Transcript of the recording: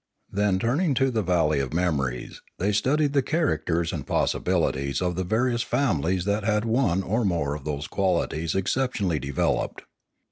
Then turning to the valley of memories, they studied the characters and possibilities of the various families that had one or more of those qualities exceptionally developed.